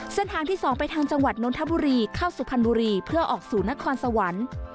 เส้นทางที่๒ไปทางจังหวัดนนทบุรีเข้าสุพรรณบุรีเพื่อออกสู่นครสวรรค์